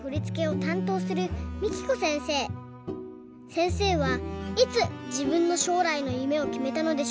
せんせいはいつじぶんのしょうらいのゆめをきめたのでしょうか？